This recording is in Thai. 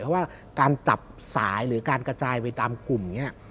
เพราะว่าการจับสายหรือการกระจายไปตามกลุ่มเนี่ย